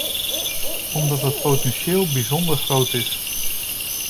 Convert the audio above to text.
Omdat het potentieel bijzonder groot is.